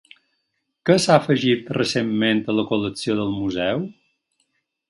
Què s'ha afegit recentment a la col·lecció del museu?